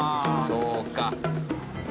そうか。